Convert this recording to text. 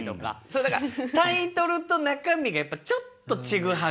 だからタイトルと中身がちょっとちぐはぐ。